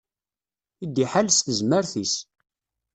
I d-iḥal s tezmert-is.